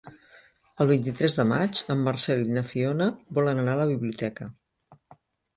El vint-i-tres de maig en Marcel i na Fiona volen anar a la biblioteca.